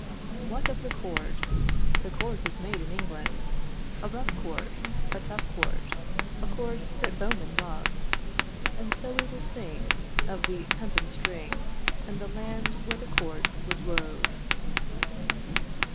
What of the cord? The cord was made in England: A rough cord, a tough cord, A cord that bowmen love; And so we will sing Of the hempen string And the land where the cord was wove.